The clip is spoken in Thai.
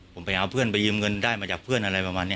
ผมไปเอาเพื่อนไปยืมเงินได้มาจากเพื่อนอะไรประมาณนี้